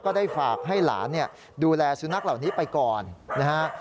ได้ฝากให้หลานดูแลสุนัขเหล่านี้ไปก่อนนะฮะ